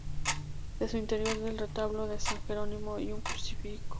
De su interior el retablo de San Jerónimo y un crucifijo.